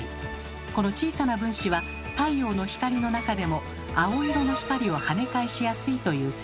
この小さな分子は太陽の光の中でも青色の光をはね返しやすいという性質があります。